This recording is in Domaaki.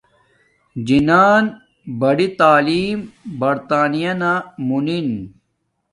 جنان بری تعیم برظانیہ مونن